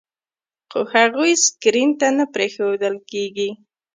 خو هغوی سکرین ته نه پرېښودل کېږي.